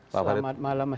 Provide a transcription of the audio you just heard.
selamat malam mas